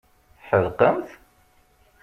Tḥedqemt?